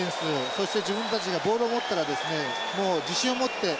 そして自分たちがボールを持ったらですねもう自信を持って。